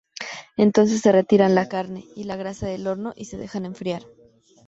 Entonces se retiran la carne y la grasa del horno y se dejan enfriar.